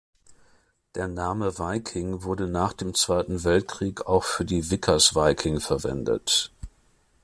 Der Name "Viking" wurde nach dem Zweiten Weltkrieg auch für die Vickers Viking verwendet.